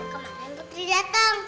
kata maka kemarin putri datang